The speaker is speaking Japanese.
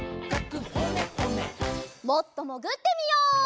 もっともぐってみよう。